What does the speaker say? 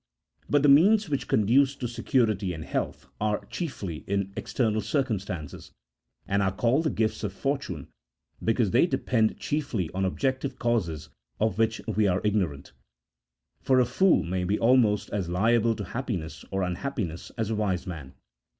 But the means which conduce to security and health are chiefly in external circumstance, and are called the gifts of fortune because they depend chiefly on objective causes of which we are ignorant ; for a fool may be almost as liable to happiness or unhappiness as a wise man.